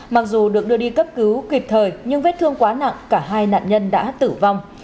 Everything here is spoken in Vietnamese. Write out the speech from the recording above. mặc dù được đưa đi cấp cứu kịp thời nhưng vết thương quá nặng cả hai nạn nhân đã tử vong